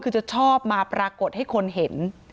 คือจะชอบมาปรากฏให้คนเห็น